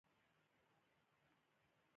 د ښځو د حقونو نقض باید پای ته ورسېږي.